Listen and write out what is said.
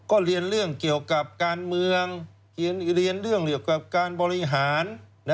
ก็เรียนเรื่องเกี่ยวกับการเมืองเรียนเรื่องเกี่ยวกับการบริหาร